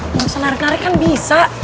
gak usah narik narik kan bisa